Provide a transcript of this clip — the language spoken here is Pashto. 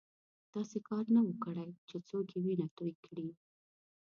داسې کار نه وو کړی چې څوک یې وینه توی کړي.